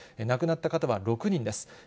亡くなった方は６人です。